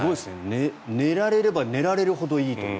寝られれば寝られるほどいいという。